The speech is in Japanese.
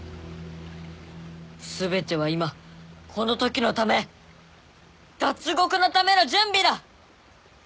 全ては今このときのため脱獄のための準備だ！